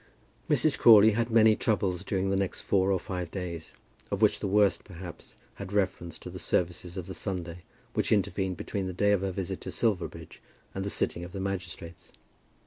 Mrs. Crawley had many troubles during the next four or five days, of which the worst, perhaps, had reference to the services of the Sunday which intervened between the day of her visit to Silverbridge, and the sitting of the magistrates.